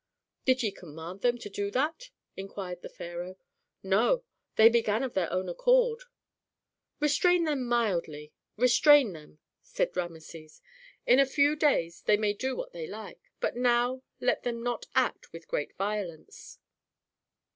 "Did ye command them to do that?" inquired the pharaoh. "No. They began of their own accord." "Restrain them mildly restrain them," said Rameses. "In a few days they may do what they like. But now let them not act with great violence."